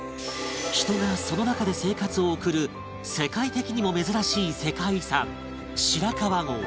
人がその中で生活を送る世界的にも珍しい世界遺産白川郷